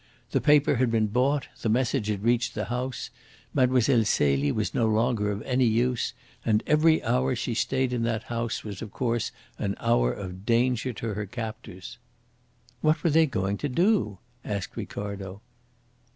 The paper had been bought, the message had reached the house, Mlle. Celie was no longer of any use, and every hour she stayed in that house was of course an hour of danger to her captors." "What were they going to do?" asked Ricardo.